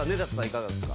いかがですか？